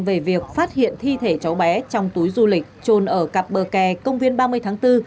về việc phát hiện thi thể cháu bé trong túi du lịch trồn ở cặp bờ kè công viên ba mươi tháng bốn